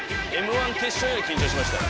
『Ｍ−１』決勝より緊張しました。